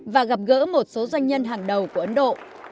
và gặp gỡ một số doanh nhân hàng đầu của ấn độ